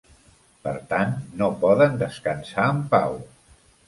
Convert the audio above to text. Per tant, no poden descansar en pau.